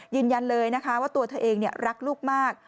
ยืนยันเลยนะคะว่าตัวเธอเองรักลูกมาก